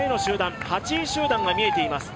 ８位集団が見えています。